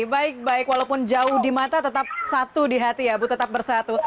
baik baik walaupun jauh di mata tetap satu di hati ya bu tetap bersatu